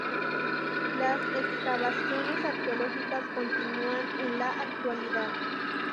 Las excavaciones arqueológicas continúan en la actualidad.